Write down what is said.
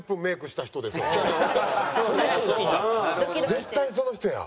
絶対その人や！